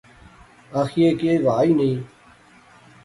آخیئے کی وہا ایہہ نئیں